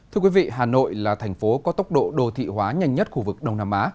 hà nội là thành phố có tốc độ đô thị hóa nhanh nhất khu vực đông nam á